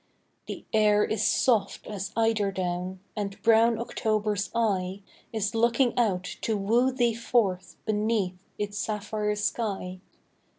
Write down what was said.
The air is soft as eider down ; And brown October's eye Is looking out to woo thee forth Beneath its sapphire sky.